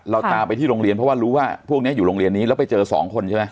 เราตามไปที่โรงเรียนเพราะว่ารู้ว่าพวกนี้อยู่โรงเรียนนี้แล้วไปเจอสองคนใช่ไหม